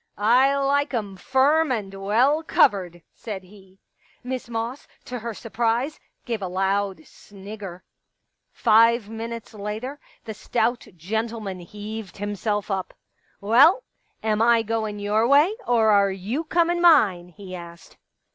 *' I like 'em firm and well covered," said he. Miss Moss, to her surprise, gave a loud snigger. Five minutes later the stout gentleman heaved 170 I Pictures himself up. " Well, am I goin' your way, or are you comin* mine ?" he asked.